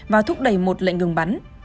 và thúc đẩy một lệnh ngừng bắn